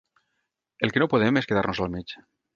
El que no podem és quedar-nos al mig.